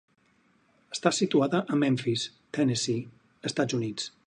Està situada a Memphis, Tennessee, Estats Units.